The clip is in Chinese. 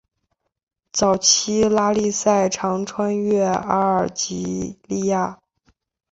早期拉力赛常穿越阿尔及利亚。